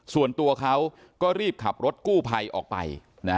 ส่วนตัวเขาก็รีบขับรถกู้ภัยออกไป